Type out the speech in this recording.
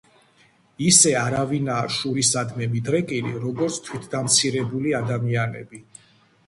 ისე არავინაა შურისადმი მიდრეკილი როგორც თვითდამცირებული ადამიანები.